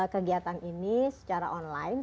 kegiatan ini secara online